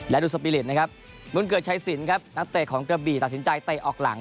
และดูสปีริตนะครับบุญเกิดชัยสินครับนักเตะของกระบี่ตัดสินใจเตะออกหลัง